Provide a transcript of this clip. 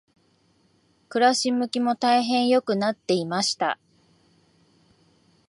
暮し向きも大変良くなっていました。